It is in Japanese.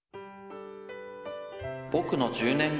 「ぼくの１０年後」。